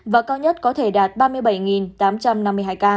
và cao nhất có thể đạt ba mươi bảy tám trăm năm mươi hai ca